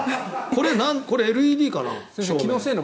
これＬＥＤかな？